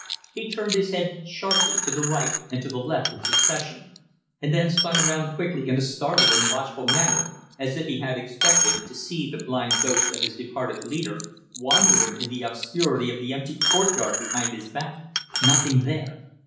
He turned his head sharply to the right and to the left in succession, and then spun round quickly in a startled and watchful manner, as if he had expected to see the blind ghost of his departed leader wandering in the obscurity of the empty courtyard behind his back. Nothing there.